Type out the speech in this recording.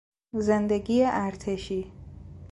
زندگی ارتشی